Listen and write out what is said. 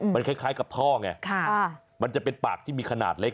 มันคล้ายกับท่อไงมันจะเป็นปากที่มีขนาดเล็ก